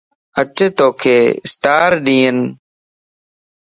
اچ توک اسٽار ڏين